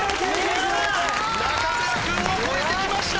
中村君を超えてきました。